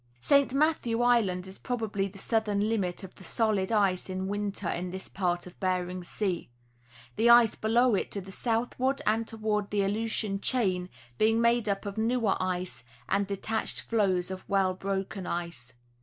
St. Mathew island is probably the southern limit of the solid ice in winter in this part of Bering sea, the ice below it to the southward and toward the Aleutian chain being made up of newer ice and detached floes of well broken ice.